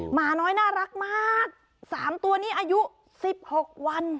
หมาน้อยน่ารักมากสามตัวนี้อายุสิบหกวัน